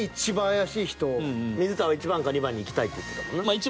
水田は１番か２番にいきたいって言ってたもんな。